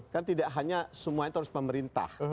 kan tidak hanya semuanya terhubung pemerintah